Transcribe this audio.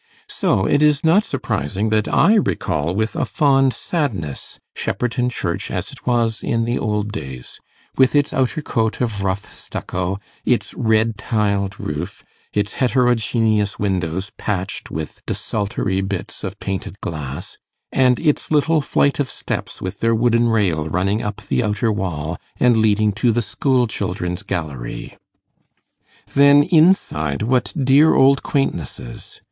So it is not surprising that I recall with a fond sadness Shepperton Church as it was in the old days, with its outer coat of rough stucco, its red tiled roof, its heterogeneous windows patched with desultory bits of painted glass, and its little flight of steps with their wooden rail running up the outer wall, and leading to the school children's gallery. Then inside, what dear old quaintnesses!